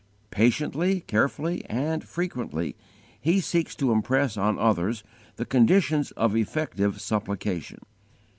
Patiently, carefully and frequently, he seeks to impress on others the conditions of effective supplication.